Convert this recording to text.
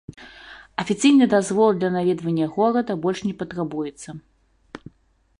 Афіцыйны дазвол для наведвання горада больш не патрабуецца.